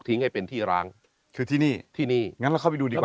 ให้เป็นที่ร้างคือที่นี่ที่นี่งั้นเราเข้าไปดูดีกว่า